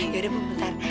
yaudah bu bentar